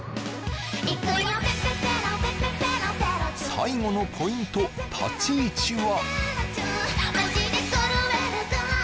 最後のポイント立ち位置は？